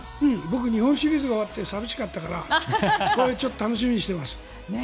僕日本シリーズが終わって寂しかったからちょっと楽しみにしてます。